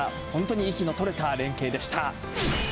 本当に息の取れた連係でした。